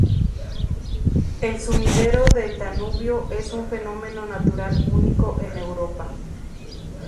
El sumidero del Danubio es un fenómeno natural único en Europa.